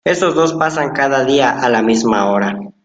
Estos dos pasan cada día a la misma hora.